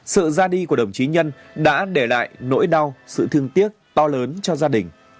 sự ra đi của đồng chí nhân đã để lại nỗi đau sự thương tiếc to lớn cho gia đình